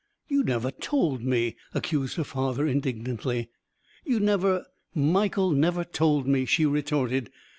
"You never told me!" accused her father indignantly. "You never " "Michael never told me," she retorted.